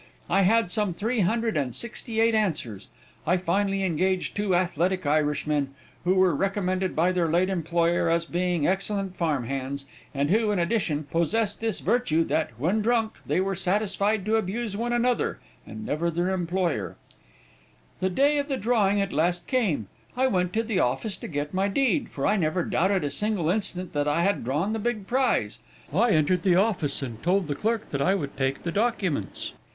I had some three hundred and sixty eight answers. I finally engaged two athletic Irishmen, who were recommended by their late employer as being excellent farm hands, and who, in addition, possessed this virtue, that, when drunk, they were satisfied to abuse one another, and never their employer. "The day of the drawing at last came, and I went to the office to get my deed, for I never doubted a single instant that I had drawn the big prize. I entered the office, and told the clerk that I would take the documents.